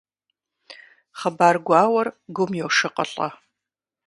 Хъыбар гуауэр гум йошыкъылӀэ.